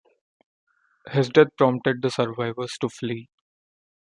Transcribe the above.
His death prompted the survivors to flee.